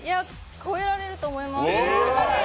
超えられると思います。